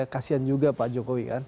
kasian juga pak jokowi